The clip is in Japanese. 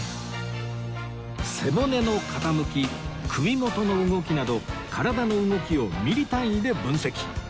背骨の傾き首元の動きなど体の動きをミリ単位で分析